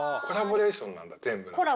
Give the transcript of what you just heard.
コラボレーションなんだ全部。